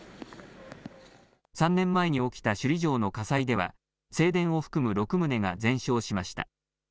３年前に起きた首里城の火災では正殿を含む６棟が全焼しました。